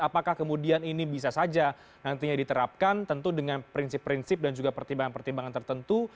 apakah kemudian ini bisa saja nantinya diterapkan tentu dengan prinsip prinsip dan juga pertimbangan pertimbangan tertentu